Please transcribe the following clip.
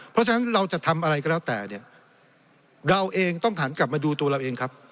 เพราะฉะนั้นเราจะทำอะไรก็แล้วแต่เนี่ยเราเองต้องหันกลับมาดูตัวเราเองครับ